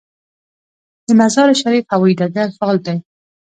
د مزار شریف هوايي ډګر فعال دی